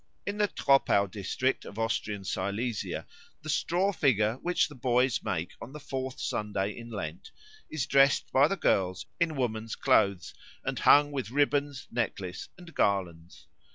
In the Troppau district of Austrian Silesia the straw figure which the boys make on the fourth Sunday in Lent is dressed by the girls in woman's clothes and hung with ribbons, necklace, and garlands.